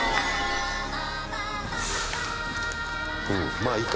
まあいいか。